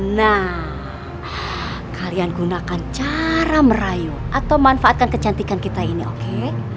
nah kalian gunakan cara merayu atau manfaatkan kecantikan kita ini oke